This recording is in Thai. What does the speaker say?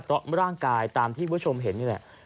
เพราะร่างกายตามที่ผู้ชมเห็นนี่แหละ